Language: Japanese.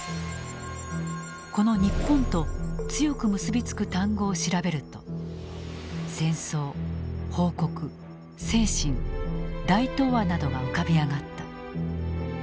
この「日本」と強く結び付く単語を調べると「戦争」「報国」「精神」「大東亜」などが浮かび上がった。